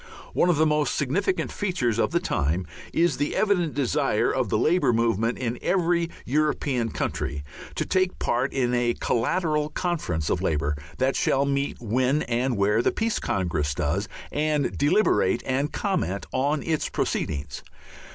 One of the most significant features of the time is the evident desire of the Labour movement in every European country to take part in a collateral conference of Labour that shall meet when and where the Peace Congress does and deliberate and comment on its proceedings.